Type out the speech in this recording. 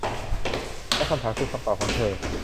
และคำถามคือคำตอบของเธอ